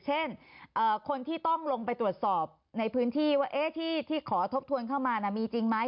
เช่นคนที่ต้องลงไปตรวจสอบในพื้นที่ว่าที่ขอทบทวนเข้ามามีจริงไหม